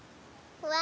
うわ！